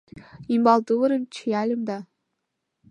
Ӱмбал тувырым чияльым да